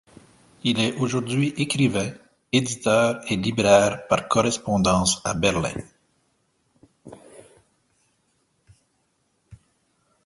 Il est aujourd'hui écrivain, éditeur et libraire par correspondance à Berlin.